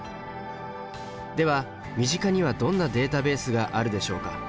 では身近にはどんなデータベースがあるでしょうか。